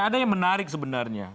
ada yang menarik sebenarnya